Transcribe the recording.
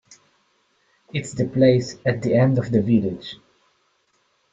It's the place at the end of the village.